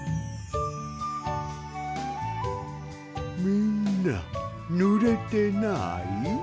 みんなぬれてない？